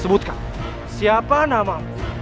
sebutkan siapa namamu